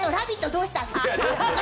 どうしたの？